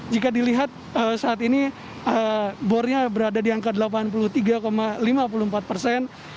jika dilihat saat ini bornya berada di angka delapan puluh tiga lima puluh empat persen